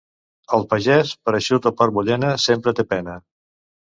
El pagès, per eixut o per mullena, sempre té pena.